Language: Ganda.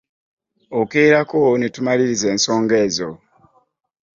Okeerako ne tumaliriza ensonga ezo.